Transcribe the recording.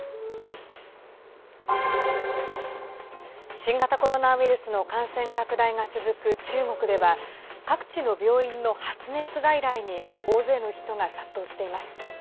新型コロナウイルスの感染拡大が続く中国では各地の病院の発熱外来に大勢の人が殺到しています。